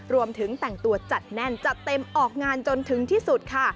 รวมถึงแต่งตัวจัดแน่นจัดเต็มออกงานจนถึงที่สุดค่ะ